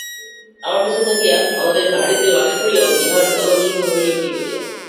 আমার কাছে থাকিয়া, আমাদের বাড়িতে বাস করিয়াও ইহার এমন শিক্ষা হইল কী করিয়া।